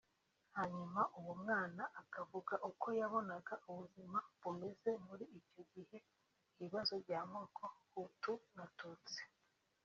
Hanyuma uwo mwana akavuga uko yabonaga ubuzima bumeze muri icyo gihe ibibazo by’amoko Hutu na Tutsi